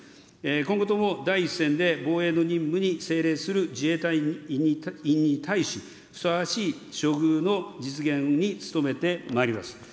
今後とも第一線で防衛の任務に精励する自衛隊員に対し、ふさわしい処遇の実現に努めてまいります。